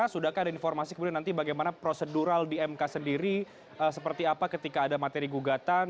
sudahkah ada informasi kemudian nanti bagaimana prosedural di mk sendiri seperti apa ketika ada materi gugatan